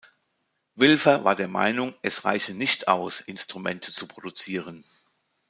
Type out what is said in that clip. Wilfer war der Meinung, es reiche nicht aus, Instrumente zu produzieren.